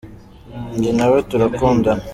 Nge nawe turakundana.